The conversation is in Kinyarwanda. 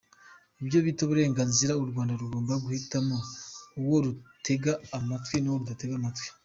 Ibyo bita uburenganzira u Rwanda rugomba guhitamo uwo rutega amatwi n’uwo rudatega amatwi.